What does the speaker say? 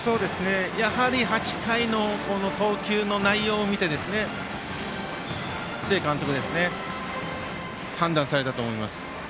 やはり８回の投球の内容を見て須江監督、判断されたと思います。